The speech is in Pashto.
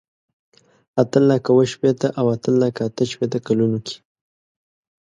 اته لکه اوه شپېته او اته لکه اته شپېته کلونو کې.